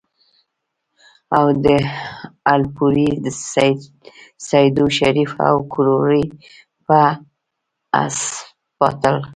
او د الپورۍ ، سېدو شريف ، او کروړې پۀ هسپتال